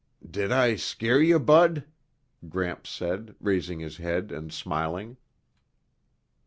"Did I scare you, Bud?" Gramps said, raising his head and smiling.